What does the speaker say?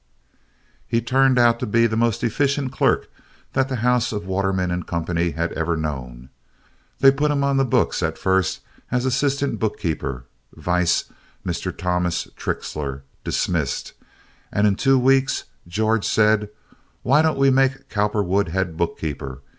He turned out to be the most efficient clerk that the house of Waterman & Co. had ever known. They put him on the books at first as assistant bookkeeper, vice Mr. Thomas Trixler, dismissed, and in two weeks George said: "Why don't we make Cowperwood head bookkeeper?